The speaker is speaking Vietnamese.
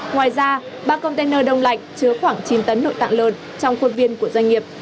ngoài ra ba container đông lạnh chứa khoảng chín tấn nội tạng lợn trong khuôn viên của doanh nghiệp